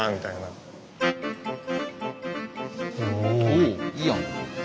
おお！いいやん。